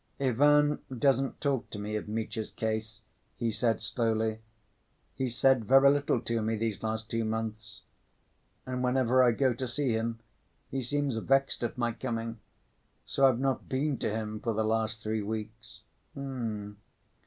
"Ivan doesn't talk to me of Mitya's case," he said slowly. "He's said very little to me these last two months. And whenever I go to see him, he seems vexed at my coming, so I've not been to him for the last three weeks. H'm!...